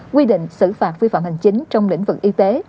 quy định xử phạt vi phạm hành chính trong lĩnh vực y tế